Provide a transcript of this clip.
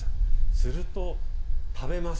すると食べます。